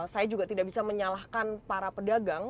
saya juga tidak bisa menyalahkan para pedagang